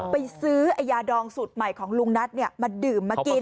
ไปซื้อยาดองสูตรใหม่ของลุงนัทมาดื่มมากิน